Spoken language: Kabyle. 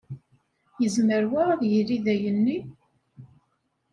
Yezmer wa ad yili d ayenni?